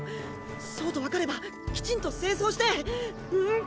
そうと分かればきちんと正装してんっ！